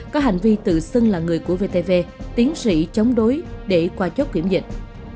có hành vi tự xưng là người của vtv tiến sĩ chống đối để qua chốt kiểm dịch